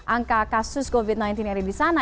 angka kasus covid sembilan belas yang ada di sana